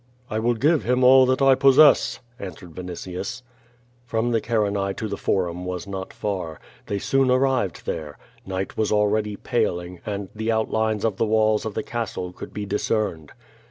"I will give him all that I possess," answered Vinitius. From the Carinae to the Forum was not far. They soon arrived there. Night was already paling, and the outlines of the walls of the castle could be discerned.